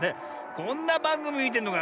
こんなばんぐみみてんのか。